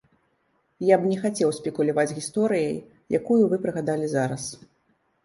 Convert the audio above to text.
Я б не хацеў спекуляваць гісторыяй, якую вы прыгадалі зараз.